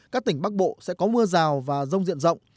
các tỉnh bắc bộ sẽ có mưa rào và rông diện rộng